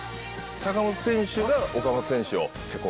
坂本選手が岡本選手を。